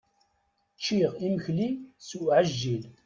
Ččiɣ imekli s uɛijel.